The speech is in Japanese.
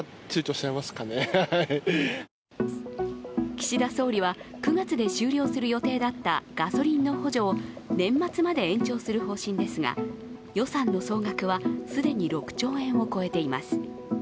岸田総理は９月で終了する予定だったガソリンの補助を年末まで延長する方針ですが予算の総額は既に６兆円を超えています。